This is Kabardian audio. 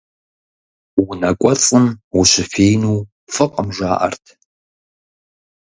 Унэ кӀуэцӀым ущыфиину фӀыкъым, жаӀэрт.